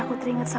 aku mau pertamanya